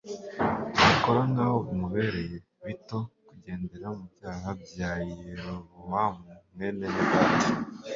akora nkaho bimubereye bito kugendera mu byaha bya Yerobowamu mwene Nebati